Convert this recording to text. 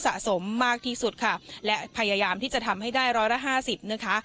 สะสมมากที่สุดค่ะและพยายามที่จะทำให้ได้ร้อยละห้าสิบนะคะ